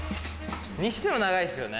にしても長いですよね。